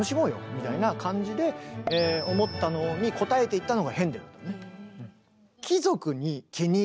みたいな感じで思ったのに応えていったのがヘンデルだね。